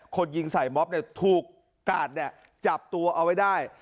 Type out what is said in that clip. คนยิงสายม็อบถูกกาดจับตัวเอาไว้ได้